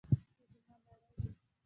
ته زما نړۍ یې!